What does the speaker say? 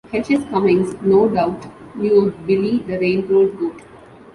H. S. Cummings no doubt knew of 'Billy' the railroad goat.